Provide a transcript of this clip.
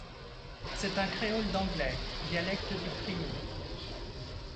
C'est un créole d'anglais, dialecte du krio.